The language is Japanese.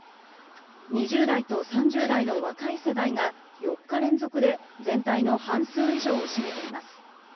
２０代と３０代の若い世代が４日連続で全体の半数以上を占めています。